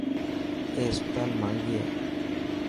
اي هسپتال ماهنگي هي.